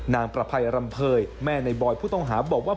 นางประไพรรำเภยแม่นายบอยผู้ต้องหาบอกว่า